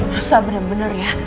masa bener bener ya